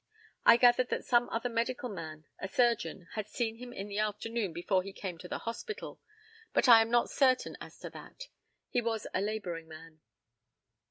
I gathered that some other medical man, a surgeon, had seen him in the afternoon before he came to the hospital, but I am not certain as to that; he was a labouring man.